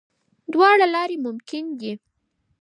دواړه لارې ممکن دي.